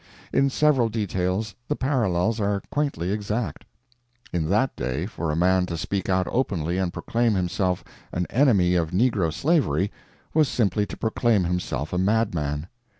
In several details the parallels are quaintly exact. In that day, for a man to speak out openly and proclaim himself an enemy of negro slavery was simply to proclaim himself a madman.